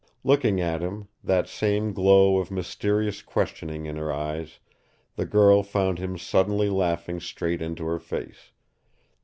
Looking at him, that same glow of mysterious questioning in her eyes, the girl found him suddenly laughing straight into her face.